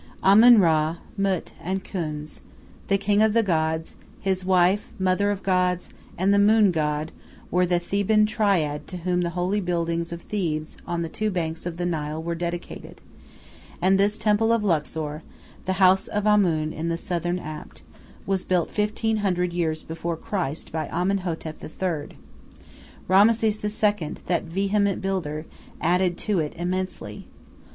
Amun Ra, Mut, and Khuns, the king of the gods, his wife, mother of gods, and the moon god, were the Theban triad to whom the holy buildings of Thebes on the two banks of the Nile were dedicated; and this temple of Luxor, the "House of Amun in the Southern Apt," was built fifteen hundred years before Christ by Amenhotep III. Rameses II., that vehement builder, added to it immensely.